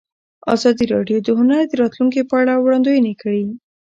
ازادي راډیو د هنر د راتلونکې په اړه وړاندوینې کړې.